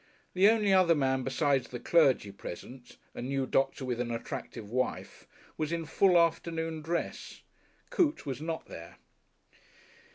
The only other man besides the clergy present, a new doctor with an attractive wife, was in full afternoon dress. Coote was not there.